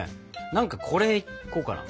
何かこれいこうかな。